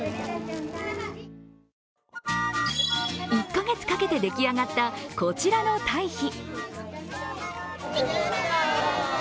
１カ月かけて出来上がったこちらの堆肥。